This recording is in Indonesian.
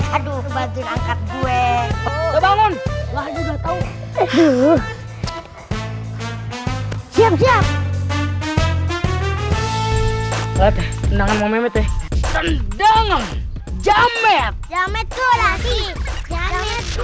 aduh aduh aduh aduh aduh aduh aduh aduh haduh siap siap